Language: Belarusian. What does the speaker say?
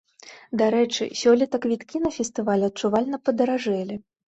Дарэчы, сёлета квіткі на фестываль адчувальна падаражэлі.